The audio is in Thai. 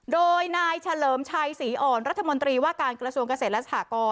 โดยนายเฉลิมชัยศรีอ่อนรัฐมนตรีว่าการกระทรวงเกษตรและสหกร